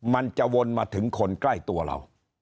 มันจะวนมาถึงคนใกล้ตัวเรา